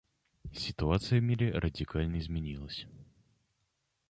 Ситуация в мире радикально изменилась.